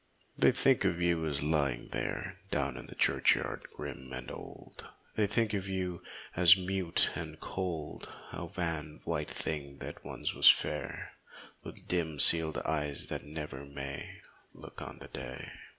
They think of you as lying there Down in the churchyard grim and old ; They think of you as mute and cold, A wan, white thing that once was fair, With dim, sealed eyes that never may Look on the day..